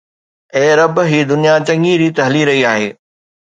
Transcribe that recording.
اي رب، هي دنيا چڱي ريت هلي رهي آهي